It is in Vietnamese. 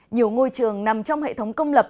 nhiều ngôi trường nằm trong hệ thống công lập